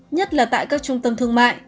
nhất là tại các trung tâm thương mại